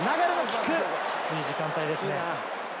きつい時間帯ですね。